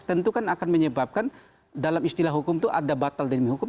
tentu kan akan menyebabkan dalam istilah hukum itu ada batal demi hukum